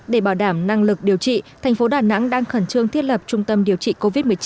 để bảo đảm năng lực điều trị thành phố đà nẵng đang khẩn trương thiết lập trung tâm điều trị covid một mươi chín